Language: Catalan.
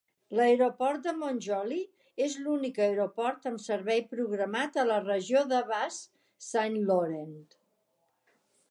L"aeroport de Mont-Joli és l"únic aeroport amb servei programat a la regió de Bas-Saint-Laurent.